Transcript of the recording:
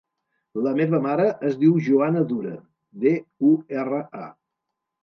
La meva mare es diu Joana Dura: de, u, erra, a.